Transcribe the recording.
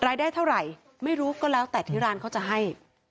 รายได้เท่าไหร่ไม่รู้ก็แล้วแต่ที่ร้านเขาจะให้